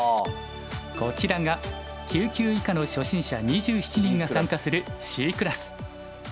こちらが９級以下の初心者２７人が参加するＣクラス。